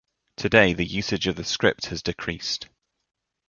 Today the usage of the script has decreased.